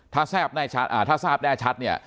ถ้าทราบแน่ชัดเนี่ย